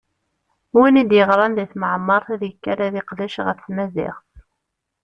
Win i d-yeɣṛan di temɛemmeṛt ad ikker ad iqdec ɣef tmaziɣt.